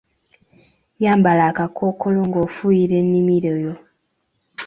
Yambala akakkookolo ng'ofuuyira ennimiro yo.